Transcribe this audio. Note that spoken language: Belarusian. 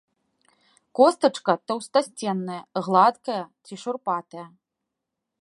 Костачка таўстасценная, гладкая ці шурпатая.